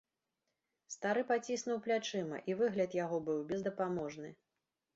Стары паціснуў плячыма, і выгляд яго быў бездапаможны.